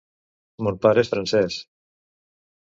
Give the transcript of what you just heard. Mon pare és francés.